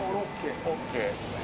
「ＯＫ」。